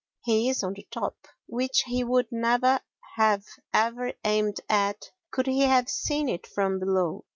he is on the top, which he would never have even aimed at could he have seen it from below.